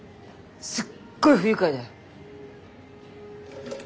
すっごい不愉快だよ。